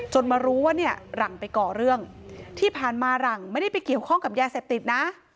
มารู้ว่าเนี่ยหลังไปก่อเรื่องที่ผ่านมาหลังไม่ได้ไปเกี่ยวข้องกับยาเสพติดนะ